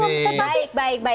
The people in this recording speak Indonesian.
baik baik baik